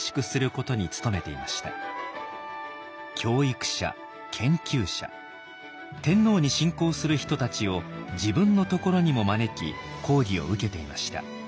教育者研究者天皇に進講する人たちを自分のところにも招き講義を受けていました。